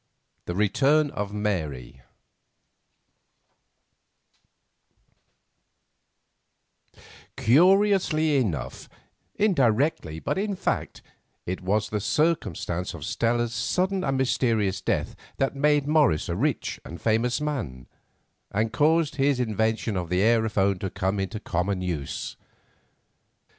THE RETURN OF MARY Curiously enough, indirectly, but in fact, it was the circumstance of Stella's sudden and mysterious death that made Morris a rich and famous man, and caused his invention of the aerophone to come into common use.